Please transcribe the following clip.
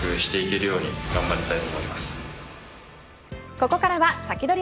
ここからはサキドリ！